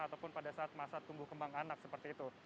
ataupun pada saat masa tumbuh kembang anak seperti itu